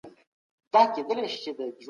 د كوم يوه مخ ونيســــم